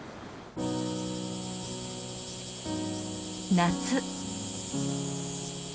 夏。